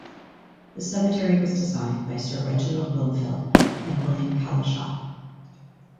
The cemetery was designed by Sir Reginald Blomfield and William Cowlishaw.